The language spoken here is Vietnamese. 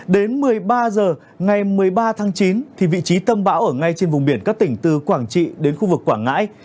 đến một mươi ba h ngày một mươi ba tháng chín vị trí tâm bão ở ngay trên vùng biển các tỉnh từ quảng trị đến khu vực quảng ngãi